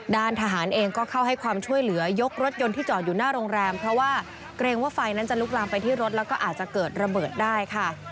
ทหารเองก็เข้าให้ความช่วยเหลือยกรถยนต์ที่จอดอยู่หน้าโรงแรมเพราะว่าเกรงว่าไฟนั้นจะลุกลามไปที่รถแล้วก็อาจจะเกิดระเบิดได้ค่ะ